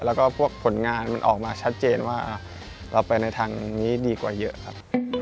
แล้วก็พวกผลงานมันออกมาชัดเจนว่าเราไปในทางนี้ดีกว่าเยอะครับ